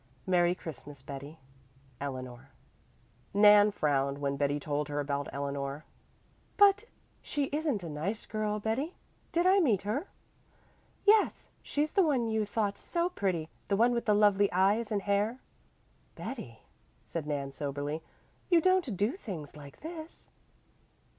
"Merry Christmas, Betty. "Eleanor." Nan frowned when Betty told her about Eleanor. "But she isn't a nice girl, Betty. Did I meet her?" "Yes, she's the one you thought so pretty the one with the lovely eyes and hair." "Betty," said Nan soberly, "you don't do things like this?"